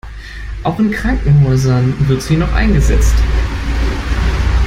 Auch in Krankenhäusern wird sie noch eingesetzt.